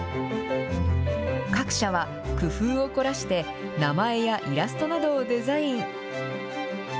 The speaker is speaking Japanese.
各社は、工夫を凝らして、名前やイラストなどをデザイン。